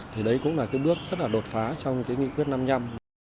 thì đấy cũng là cái bước rất là đột phá trong cái nghị quyết năm năm